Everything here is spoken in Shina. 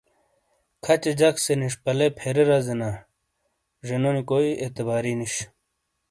کھچے جک سے نشپالے/فیرے رزے نا زنونی کوئی اعتباری نوش۔